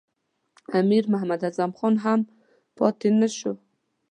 امیر محمد اعظم خان هم پاته نه شو.